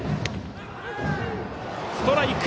ストライク！